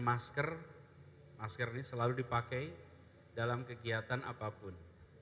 masker masker ini selalu dipakai dalam kegiatan apapun